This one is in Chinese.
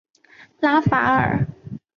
拉法尔。